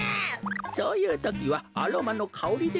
そういうときはアロマのかおりでリラックスです。